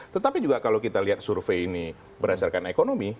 tetapi juga kalau kita lihat survei ini berdasarkan ekonomi